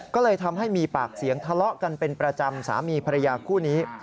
ก็เลยทำให้มีปากเสียงทะเลาะกันเป็นประจำสามีภรรยาคู่นี้